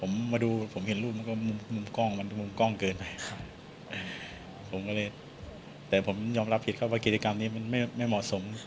ผมมาดูผมเห็นรูปมันก็มุมกล้องมันมุมกล้องเกินไปผมก็เลยแต่ผมยอมรับผิดครับว่ากิจกรรมนี้มันไม่เหมาะสม